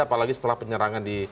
apalagi setelah penyerangan di